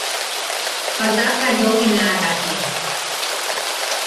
Bagdad cayó en la anarquía.